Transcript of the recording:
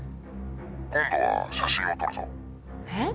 「今度は写真を撮るぞ」え？